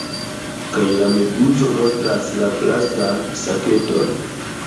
Kaj la meduzo montras la plastan saketon.